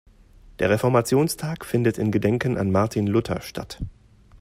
Der Reformationstag findet in Gedenken an Martin Luther statt.